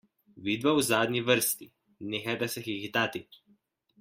Vidva v zadnji vrsti, nehajta se hihitati!